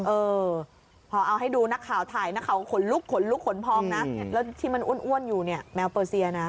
เออพอเอาให้ดูนักข่าวถ่ายนักข่าวขนลุกขนลุกขนพองนะแล้วที่มันอ้วนอยู่เนี่ยแมวเปอร์เซียนะ